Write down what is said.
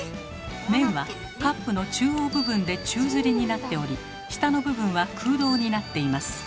麺はカップの中央部分で宙づりになっており下の部分は空洞になっています。